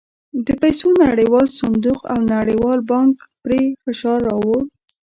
د پیسو نړیوال صندوق او نړیوال بانک پرې فشار راووړ.